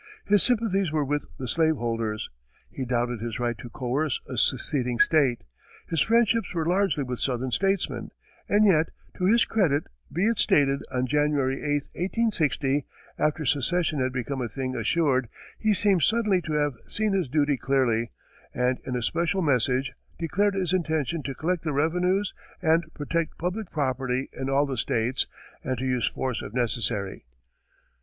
His sympathies were with the slave holders; he doubted his right to coerce a seceding state; his friendships were largely with southern statesmen and yet, to his credit be it stated, on January 8, 1860, after secession had become a thing assured, he seems suddenly to have seen his duty clearly, and in a special message, declared his intention to collect the revenues and protect public property in all the states, and to use force if necessary.